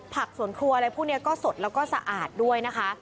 ผักสวนครัวอะไรพวกนี้ก็สดแล้วก็สะอาดด้วยนะคะ